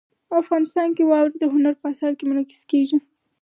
افغانستان کې واوره د هنر په اثار کې منعکس کېږي.